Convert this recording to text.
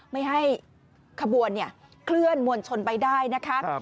ไม่ให้ขบวนเคลื่อนมวลชนไปได้นะคะ